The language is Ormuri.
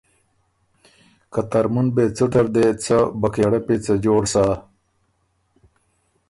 که ترمُن بې څُټه ر دې څۀ بکېړۀ پېڅه جوړ سَۀ